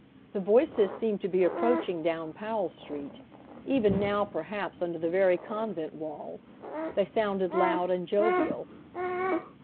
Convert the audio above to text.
The voices seemed to be approaching down Powell Street, even now perhaps under the very convent walls. They sounded loud and jovial.